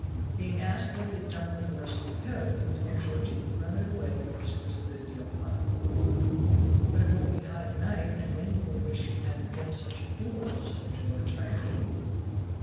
Being asked what he had done with the rest of the coat, he told George he had thrown it away because it was a good deal hot. "But it won't be hot at night, and then you will wish you hadn't been such a fool," said George, irate.